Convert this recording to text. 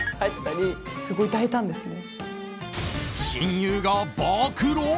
親友が暴露！